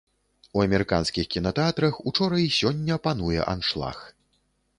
У амерыканскіх кінатэатрах учора і сёння пануе аншлаг.